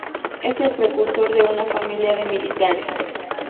Es el precursor de una familia de militares.